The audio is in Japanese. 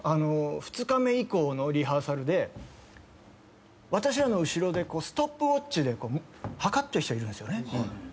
２日目以降のリハーサルで私らの後ろでストップウオッチで計ってる人がいるんですよね。